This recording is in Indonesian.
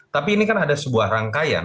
tapi ini kan ada sebuah rangkaian